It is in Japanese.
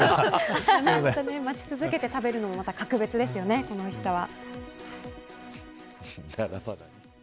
待ち続けて食べるのも、また格別ですよね、このおいしさは。